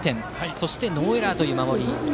そしてノーエラーという守り